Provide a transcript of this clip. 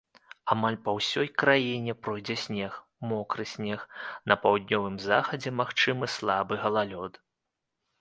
Амаль па ўсёй краіне пройдзе снег, мокры снег, на паўднёвым захадзе магчымы слабы галалёд.